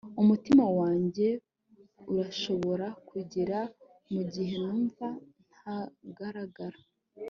umutima wanjye urashobora kugera, mugihe numva ntagaragara